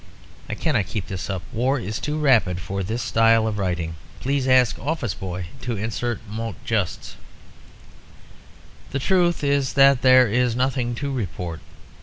I cannot keep this up. War is too rapid for this style of writing. Please ask office boy to insert mots justes.) "The truth is that there is nothing to report.